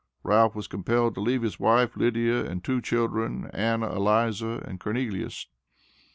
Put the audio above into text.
Ralph was compelled to leave his wife, Lydia, and two children, Anna Eliza, and Cornelius."